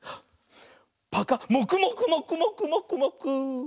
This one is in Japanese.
もくもくもくもくもくもく！